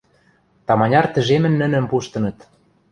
Таманяр тӹжемӹн нӹнӹм пуштыныт.